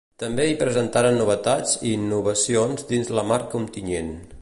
També hi presentaran novetats i innovacions dins la marca Ontinyent.